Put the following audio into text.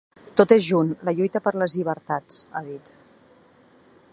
Tot és junt: la lluita per les llibertats, ha dit.